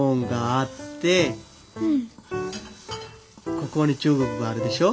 ここに中国があるでしょ。